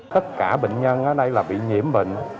tất cả bệnh nhân ở đây là bị nhiễm bệnh